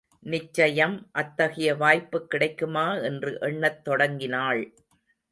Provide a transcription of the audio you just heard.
நிச்சயம் அத்தகைய வாய்ப்புக் கிடைக்குமா என்று எண்ணத் தொடங்கினாள்.